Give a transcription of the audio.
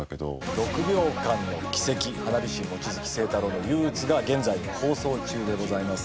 『６秒間の軌跡花火師・望月星太郎の憂鬱』が現在放送中でございます。